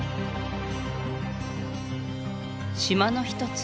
島の１つ